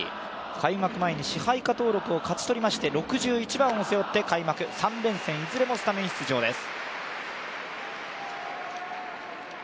開幕前に、支配下登録を勝ち取りました、６１番を背負って開幕、開幕３連戦、いずれも先発出場です。